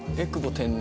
天然。